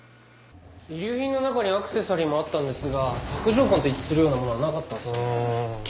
遺留品の中にアクセサリーもあったんですが索条痕と一致するようなものはなかったんですよね。